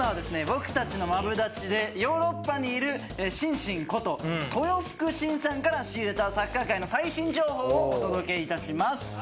僕たちのマブダチでヨーロッパにいる「しんしん」こと豊福晋さんから仕入れたサッカー界の最新情報をお届けいたします。